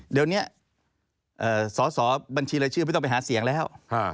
เดี๋ยวนี้สอสอบัญชีรายชื่อไม่ต้องไปหาเสียงแล้ว